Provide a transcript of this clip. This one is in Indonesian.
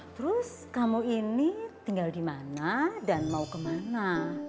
terus kamu ini tinggal di mana dan mau kemana